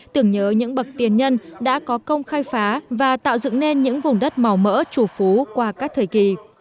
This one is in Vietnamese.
tưởng nhớ những bậc tiền nhân đã có công khai phá và tạo dựng nên những vùng đất màu mỡ chủ phú qua các thời kỳ